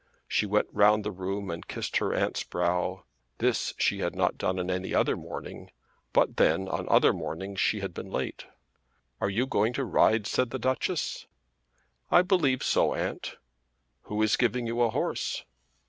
She went round the room and kissed her aunt's brow. This she had not done on any other morning; but then on other mornings she had been late. "Are you going to ride?" said the Duchess. "I believe so, aunt." "Who is giving you a horse?"